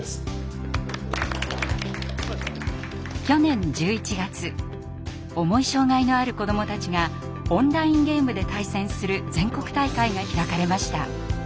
去年１１月重い障害のある子どもたちがオンラインゲームで対戦する全国大会が開かれました。